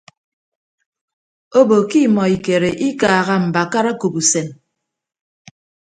Obo ke imọ ikere ikaaha mbakara akop usem.